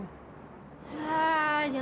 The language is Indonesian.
nggak sok galak deh lo